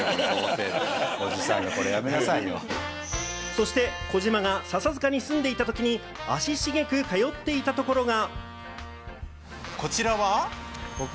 そして児嶋が笹塚に住んでいたときに、足しげく通っていたところが。